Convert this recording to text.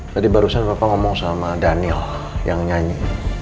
jadi barusan papa ngomong sama daniel yang nyanyi